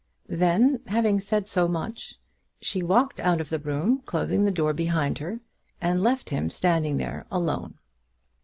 Then, having said so much, she walked out of the room, closing the door behind her, and left him standing there alone.